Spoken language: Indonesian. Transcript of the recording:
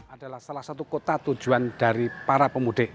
adalah salah satu kota tujuan dari para pemudik